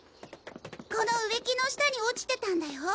この植木の下に落ちてたんだよ。